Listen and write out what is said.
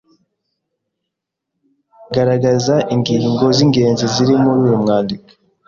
Garagaza ingingo z’ingenzi ziri muri uyu mwandiko